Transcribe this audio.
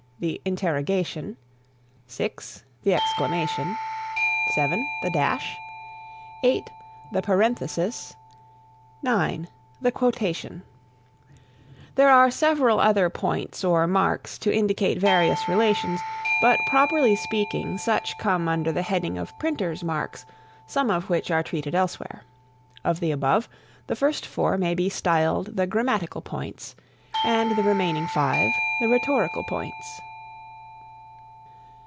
The Interrogation [?] 6. The Exclamation [!] 7. The Dash [] 8. The Parenthesis [()] 9. The Quotation [""] There are several other points or marks to indicate various relations, but properly speaking such come under the heading of Printer's Marks, some of which are treated elsewhere. Of the above, the first four may be styled the grammatical points, and the remaining five, the rhetorical points.